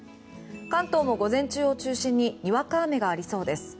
関東も午前中を中心ににわか雨がありそうです。